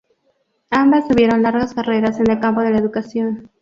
Ambas tuvieron largas carreras en el campo de la educación.